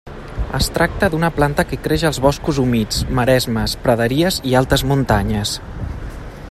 Es tracta d'una planta que creix als boscos humits, maresmes, praderies i altes muntanyes.